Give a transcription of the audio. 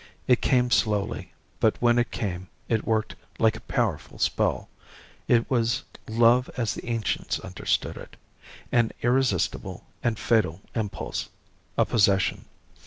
It came slowly, but when it came it worked like a powerful spell; it was love as the Ancients understood it: an irresistible and fateful impulse a possession!